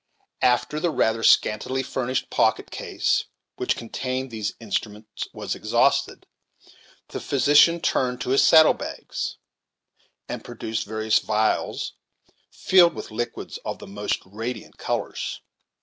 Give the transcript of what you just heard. After the rather scantily furnished pocket case which contained these instruments was exhausted, the physician turned to his saddle bags, and produced various phials, filled with liquids of the most radiant colors.